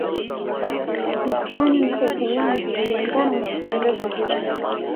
Hispania na Uholanzi ziliungana na kutangaza vita